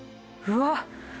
うわっ！